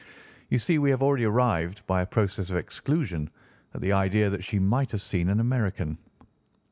You see we have already arrived, by a process of exclusion, at the idea that she might have seen an American.